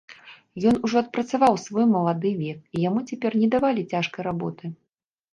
Ён ужо адпрацаваў свой малады век, і яму цяпер не давалі цяжкай работы.